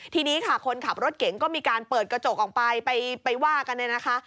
ทีนี้ค่ะคนขับรถเก๋งก็มีการเปิดกระจกออกไปไปว่ากันเนี่ยนะคะ